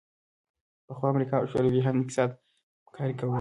پخوا امریکا او شوروي هم اقتصادي همکاري کوله